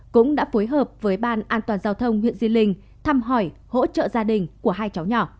cũng đã phối hợp với ban an toàn giao thông huyện di linh thăm hỏi hỗ trợ gia đình của hai cháu nhỏ